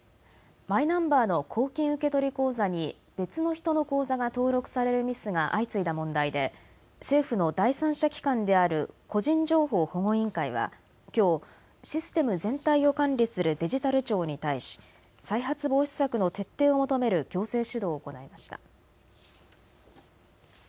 マイナンバーの公金受取口座に別の人の口座が登録されるミスが相次いだ問題で政府の第三者機関である個人情報保護委員会はきょうシステム全体を管理するデジタル庁に対し再発防止策の徹底を求める行政指導を行いました。